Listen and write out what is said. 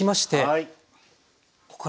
はい。